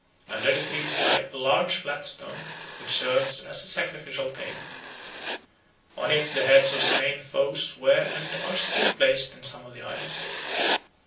Under the tree lies a large flat stone, which serves as a sacrificial table. On it the heads of slain foes were and are still placed in some of the islands.